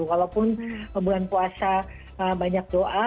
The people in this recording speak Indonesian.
walaupun bulan puasa banyak doa